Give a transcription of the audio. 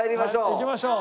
行きましょう。